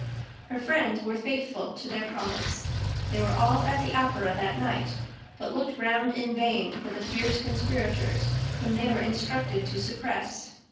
Her friends were faithful to their promise. They were all at the Opera that night, but looked round in vain for the fierce conspirators whom they were instructed to suppress.